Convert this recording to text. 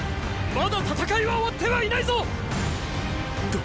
まだ戦いは終わってはいないぞっ！